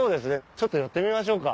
ちょっと寄ってみましょうか。